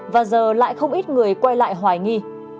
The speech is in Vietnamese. và giờ lại không ít người quay lại hoài nghi